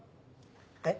えっ？